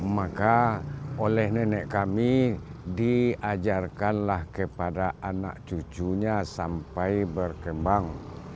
maka oleh nenek kami diajarkanlah kepada anak cucunya sampai berkembang